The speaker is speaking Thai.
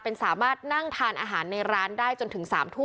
เป็นสามารถนั่งทานอาหารในร้านได้จนถึง๓ทุ่ม